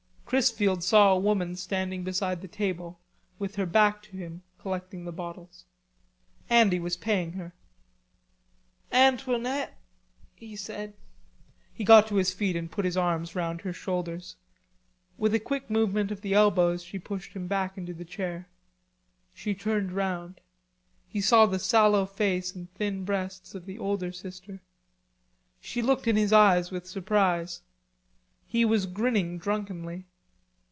Chrisfield saw a woman standing beside the table with her back to him, collecting the bottles. Andy was paying her. "Antoinette," he said. He got to his feet and put his arms round her shoulders. With a quick movement of the elbows she pushed him back into his chair. She turned round. He saw the sallow face and thin breasts of the older sister. She looked in his eyes with surprise. He was grinning drunkenly.